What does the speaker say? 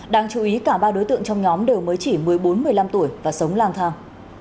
đáng chú ý cả ba đối tượng trong nhóm đều mới chỉ một mươi bốn một mươi năm tuổi và sống lang thang